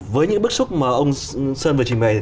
với những bức xúc mà ông sơn vừa trình bày